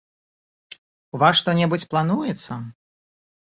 У вас што-небудзь плануецца?